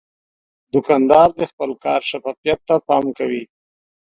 دوکاندار د خپل کار شفافیت ته پام کوي.